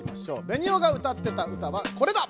ベニオが歌ってた歌はこれだ！